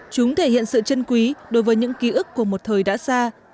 chúng thể hiện sự chân quý đối với những ký ức của một thời đã xa